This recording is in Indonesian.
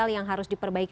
yang harus diperbaiki